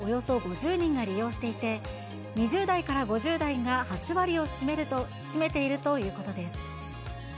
今では１日におよそ５０人が利用していて、２０代から５０代が８割を占めているということです。